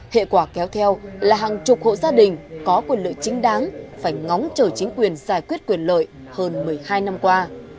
hệ quả kéo theo là hàng chục hộ gia đình có quyền lợi chính đáng phải ngóng chờ chính quyền giải quyết quyền lợi hơn một mươi hai năm qua